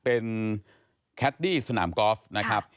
เป็นแคดดี้สนามกอล์ฟนะครับ